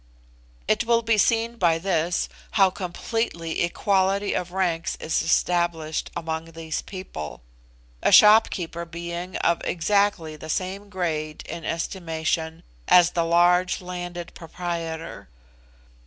It will be seen by this how completely equality of ranks is established among this people a shopkeeper being of exactly the same grade in estimation as the large landed proprietor.